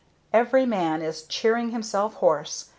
Every man is cheering himself hoarse.